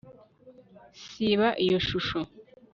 siba iyo shusho